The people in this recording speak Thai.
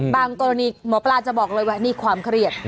กรณีหมอปลาจะบอกเลยว่านี่ความเครียด